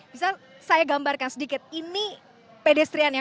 bisa saya gambarkan sedikit ini pedestriannya